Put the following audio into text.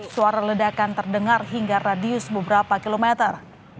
suara ledakan terdengar hingga radius beberapa kilometer